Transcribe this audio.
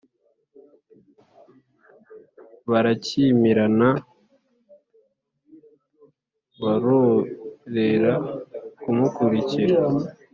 barakimirana barorera kumukurikira